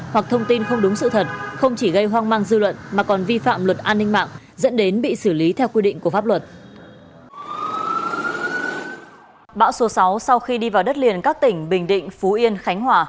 hoặc thông tin không đúng sự thật trên trang facebook giang ngọc